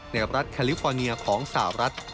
ในรัฐแคลิฟอร์เนียของสาวรัฐ